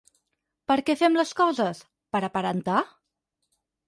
Per què fem les coses, per aparentar?